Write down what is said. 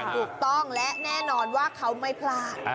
ถูกต้องและแน่นอนว่าเขาไม่พลาด